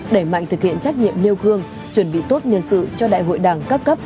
đẩy mạnh thực hiện trách nhiệm nêu khương chuẩn bị tốt nhân sự cho đại hội đảng các cấp